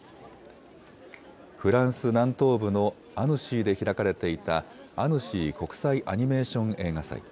フランス南東部のアヌシーで開かれていたアヌシー国際アニメーション映画祭。